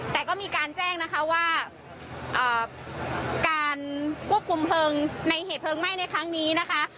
แต่ก็มีการแจ้งนะคะว่าการควบคุมเพลิงในเหตุเพลิงไหม้ในครั้งนี้นะคะ